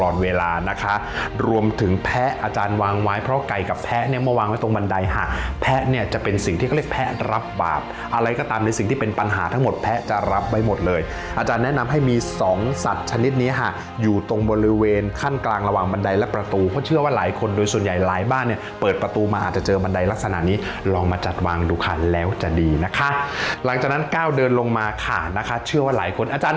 นะคะรวมถึงแพะอาจารย์วางไว้เพราะว่าไก่กับแพะเนี่ยเมื่อวางไว้ตรงบันไดค่ะแพะเนี่ยจะเป็นสิ่งที่ก็เรียกแพะรับบาปอะไรก็ตามในสิ่งที่เป็นปัญหาทั้งหมดแพะจะรับไปหมดเลยอาจารย์แนะนำให้มีสองสัตว์ชนิดนี้ค่ะอยู่ตรงบริเวณขั้นกลางระหว่างบันไดและประตูเพราะเชื่อว่าหลายคนโดยส่วนใหญ่หลาย